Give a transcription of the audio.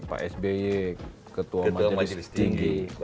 pak sby ketua majelis tinggi